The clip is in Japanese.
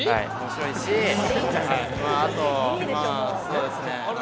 あとまあそうですね。